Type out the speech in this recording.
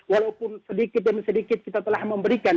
walaupun sedikit demi sedikit kita telah memberikan